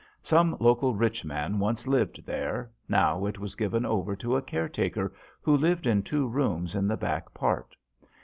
Some local rich man once lived there, now it was given over to a caretaker who lived in two rooms in the back part.